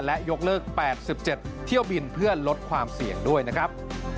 และยกเลิก๘๗เที่ยวบินเพื่อลดความเสี่ยงด้วยนะครับ